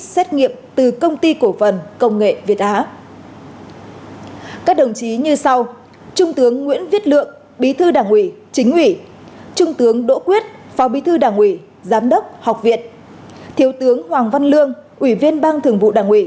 bốn xét nghiệm từ công ty cổ phần công nghệ việt á